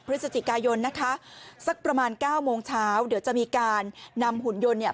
พฤศจิกายนนะคะสักประมาณเก้าโมงเช้าเดี๋ยวจะมีการนำหุ่นยนต์เนี่ย